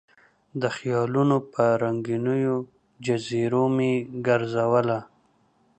د خیالونو په رنګینو جزیرو مې ګرزوله